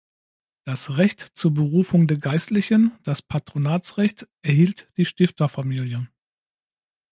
Das Recht zur Berufung der Geistlichen, das Patronatsrecht, erhielt die Stifterfamilie.